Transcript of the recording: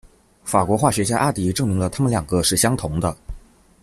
法国化学家阿迪证明了它们两个是相同的。